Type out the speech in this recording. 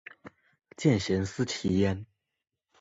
见贤思齐焉